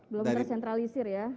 belum tersentralisir ya